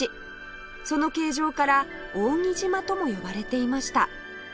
その形状から扇島とも呼ばれていました